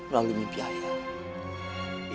lalu mimpi ayah